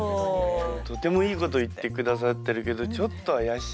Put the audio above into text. とてもいいこと言ってくださってるけどちょっと怪しい。